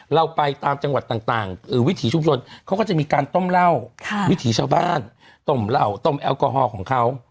รวมแอลกอฮอล์ของเขา